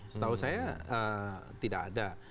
setahu saya tidak ada